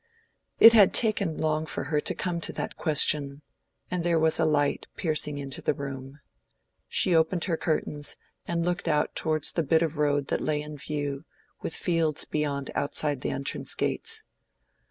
It had taken long for her to come to that question, and there was light piercing into the room. She opened her curtains, and looked out towards the bit of road that lay in view, with fields beyond outside the entrance gates.